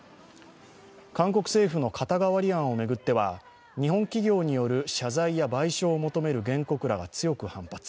韓国政府の肩代わり案を巡っては日本企業による謝罪や賠償を求める原告らが強く反発。